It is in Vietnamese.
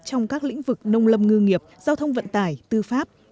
trong các lĩnh vực nông lâm ngư nghiệp giao thông vận tải tư pháp